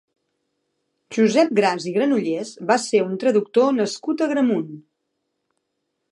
Josep Gras i Granollers va ser un traductor nascut a Agramunt.